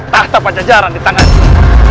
tahta pajajaran di tanganku